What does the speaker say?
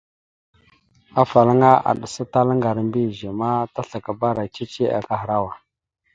Afalaŋa aɗəsatalá ŋgar a mbiyez ma, taslakabara cici akahərawa.